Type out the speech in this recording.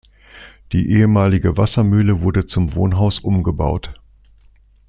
Die ehemalige Wassermühle wurde zum Wohnhaus umgebaut.